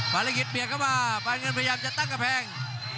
ฟาลิกิทเปลี่ยนเข้ามาพยายามจะตั้งกะแพง